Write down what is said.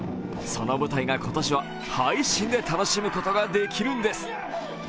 その舞台が今年は配信で楽しむことができるんです。